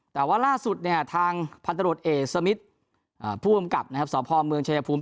แต่ว่าล่าสุดเนี่ยทางพันตรวจเอกสมิทผู้กำกับสพเมืองชายภูมิ